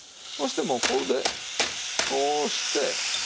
そしてもうこれでこうして。